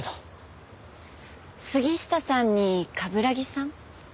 杉下さんに冠城さん？